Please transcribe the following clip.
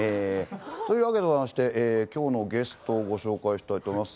というわけでございまして今日のゲストをご紹介したいと思います。